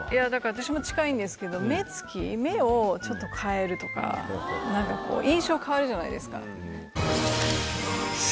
私も近いんですけど目つき目をちょっと変えるとか印象変わるじゃないですか